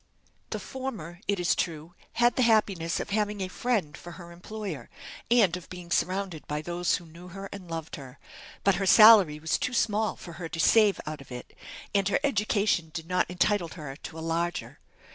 The former, it is true, had the happiness of having a friend for her employer, and of being surrounded by those who knew her and loved her; but her salary was too small for her to save out of it; and her education did not entitle her to a larger.